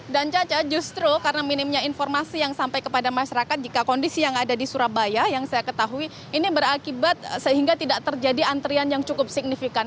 dan caca justru karena minimnya informasi yang sampai kepada masyarakat jika kondisi yang ada di surabaya yang saya ketahui ini berakibat sehingga tidak terjadi antrian yang cukup signifikan